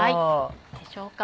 どうでしょうか。